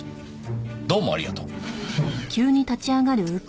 どうもありがとう。